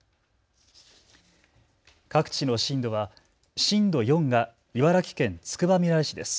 各地の震度は震度４が茨城県つくばみらい市です。